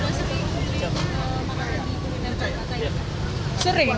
kalau makan di gimpo di kalimantan sering